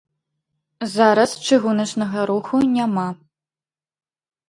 Зараз чыгуначнага руху няма.